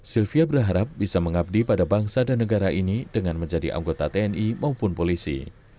sylvia berharap bisa mengabdi pada bangsa dan negara ini dengan menjadi anggota tni maupun polisi